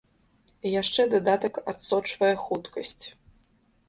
Яшчэ дадатак адсочвае хуткасць.